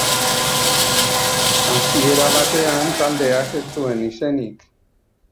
Hasiera batean taldeak ez zuen izenik.